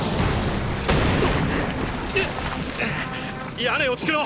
屋根を作ろう！